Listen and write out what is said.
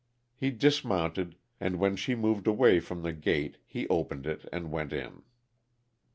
He dismounted, and when she moved away from the gate he opened it and went in.